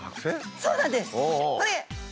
そうなんです。